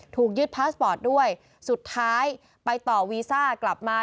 ถูกยึดพาสปอร์ตด้วยสุดท้ายไปต่อวีซ่ากลับมา